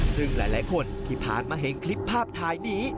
ซึ่งหลายคนที่ผ่านมาเห็นคลิปภาพถ่ายนี้